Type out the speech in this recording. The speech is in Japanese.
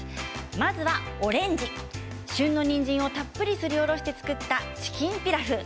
まずはオレンジ旬のにんじんをたっぷりすりおろして作ったチキンピラフ。